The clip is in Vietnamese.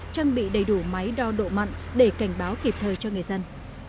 trang bị đầy đủ máy đo độ mặn để cảnh báo kịp thời cho người dân